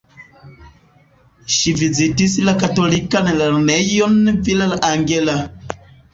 Ŝi vizitis la katolikan lernejon Villa Angela.